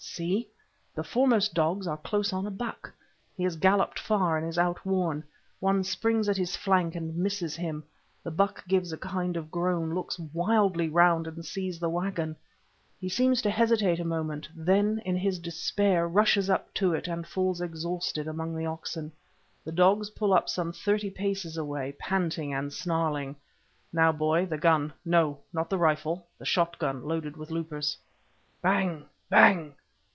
See! the foremost dogs are close on a buck. He has galloped far and is outworn. One springs at his flank and misses him. The buck gives a kind of groan, looks wildly round and sees the waggon. He seems to hesitate a moment, then in his despair rushes up to it, and falls exhausted among the oxen. The dogs pull up some thirty paces away, panting and snarling. Now, boy, the gun—no, not the rifle, the shot gun loaded with loopers. Bang! bang!